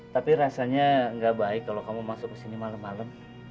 tapi rasanya gak baik kalau kamu masuk kesini malam malam